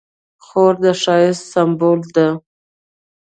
خور د ښایست سمبول ده.